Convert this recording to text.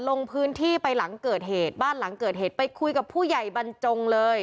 ลงพื้นที่ไปหลังเกิดเหตุบ้านหลังเกิดเหตุไปคุยกับผู้ใหญ่บรรจงเลย